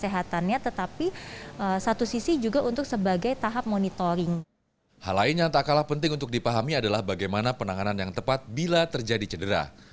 hal lain yang tak kalah penting untuk dipahami adalah bagaimana penanganan yang tepat bila terjadi cedera